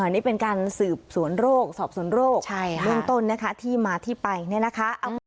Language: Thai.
นี่เป็นการสืบสวนโรคสอบสวนโรคเนินต้นที่มาที่ไปนะคะใช่ค่ะ